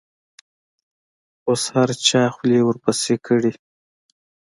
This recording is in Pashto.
اوس هر چا خولې ورپسې کړي.